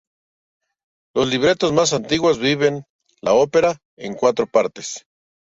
Los libretos más antiguos dividen la ópera en cuatro partes.